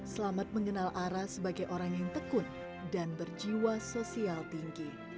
selamat mengenal ara sebagai orang yang tekun dan berjiwa sosial tinggi